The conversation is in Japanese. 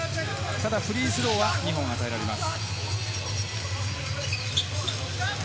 ただ、フリースローは２本を与えられます。